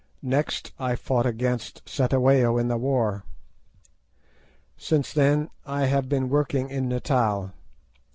Next I fought against Cetewayo in the war. Since then I have been working in Natal.